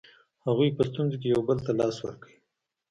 هغوی په ستونزو کې یو بل ته لاس ورکړ.